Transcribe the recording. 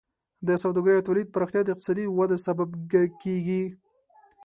د سوداګرۍ او تولید پراختیا د اقتصادي وده سبب کیږي.